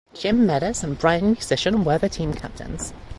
Jim Medes and Brian Musician were the team captains.